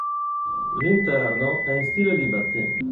L'interno è in stile liberty.